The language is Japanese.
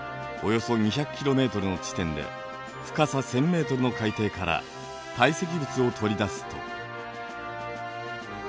およそ２００ｋｍの地点で深さ１，０００ｍの海底から堆積物を取り出すと。